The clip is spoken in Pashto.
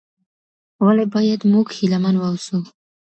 ولي بايد موږ هيله من واوسو؟